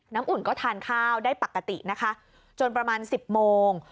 อุ่นก็ทานข้าวได้ปกตินะคะจนประมาณ๑๐โมง